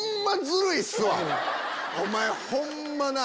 お前ホンマな！